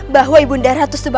bahwa ibu darah